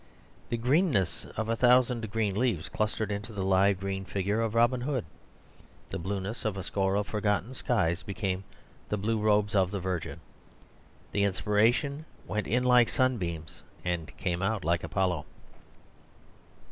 The greenness of a thousand green leaves clustered into the live green figure of Robin Hood. The blueness of a score of forgotten skies became the blue robes of the Virgin. The inspiration went in like sunbeams and came out like Apollo.